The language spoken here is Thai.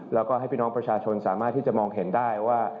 แล้วก็ให้พี่น้องประชาชนสามารถที่จะมองเห็นได้ว่า